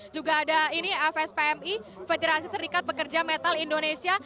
juga ada ini fspmi federasi serikat pekerja metal indonesia